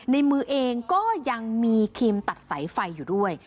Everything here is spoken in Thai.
ในมือเองก็ยังมีครีมตัดสายไฟอยู่ด้วย